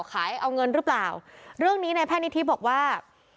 ขายเอาเงินหรือเปล่าเรื่องนี้ในแพทย์นิธิบอกว่า